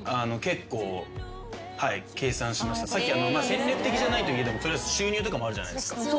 戦略的じゃないといえども収入とかもあるじゃないですか。